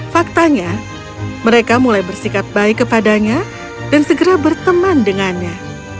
faktanya mereka mulai bersikap baik kepadanya dan segera berteman dengannya